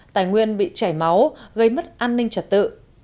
tài nguyên bị chảy máu gây mất an ninh trật tự